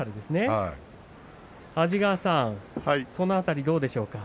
安治川さんその辺りどうでしょうか。